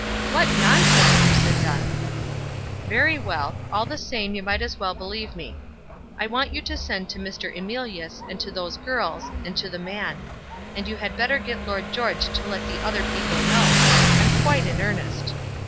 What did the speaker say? "What nonsense, Lucinda!" "Very well; all the same you might as well believe me. I want you to send to Mr. Emilius, and to those girls, and to the man. And you had better get Lord George to let the other people know. I'm quite in earnest."